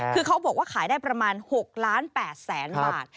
คือเขาบอกว่าขายได้ประมาณ๖ล้าน๘แสนบาท